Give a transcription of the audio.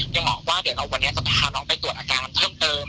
ยังบอกว่าเดี๋ยววันนี้จะพาน้องไปตรวจอาการเพิ่มเติม